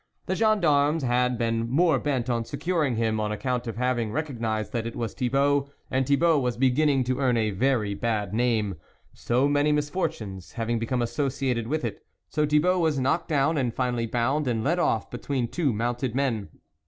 The gendarmes had been more bent on securing him, on account of having re cognised that it was Thibault, and Thi bault was beginning to earn a very bad name, so many misfortunes having be come associated with it ; so Thibault was knocked down, and finally bound and led off between two mounted men.